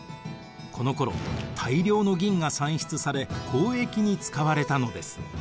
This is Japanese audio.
このころ大量の銀が産出され交易に使われたのです。